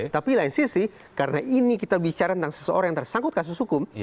tapi lain sisi karena ini kita bicara tentang seseorang yang tersangkut kasus hukum